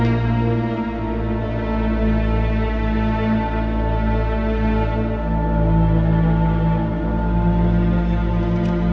jangan lupa untuk berikan duit